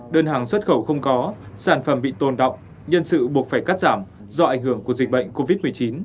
đơn hàng xuất khẩu không có sản phẩm bị tồn động nhân sự buộc phải cắt giảm do ảnh hưởng của dịch bệnh covid một mươi chín